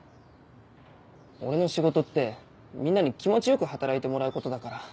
俺の仕事ってみんなに気持ち良く働いてもらうことだから。